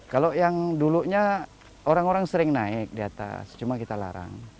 kalau yang dulunya orang orang sering naik di atas cuma kita larang